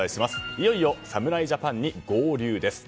いよいよ侍ジャパンに合流です。